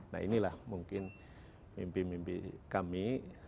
nah inilah mungkin mimpi mimpi kami